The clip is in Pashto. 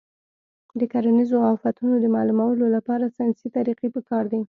د کرنیزو آفتونو د معلومولو لپاره ساینسي طریقې پکار دي.